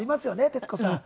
徹子さん。